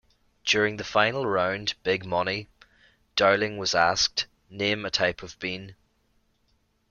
During the final round "Big Money", Dowling was asked "Name a type of bean.